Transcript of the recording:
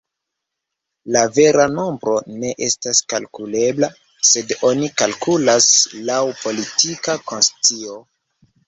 La vera nombro ne estas kalkulebla, sed oni kalkulas laŭ politika konscio.